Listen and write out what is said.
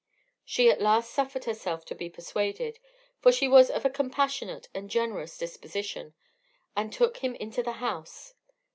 She at last suffered herself to be persuaded, for she was of a compassionate and generous disposition, and took him into the house.